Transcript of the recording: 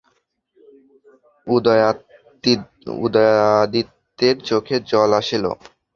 উদয়াদিত্যের চোখে জল আসিল।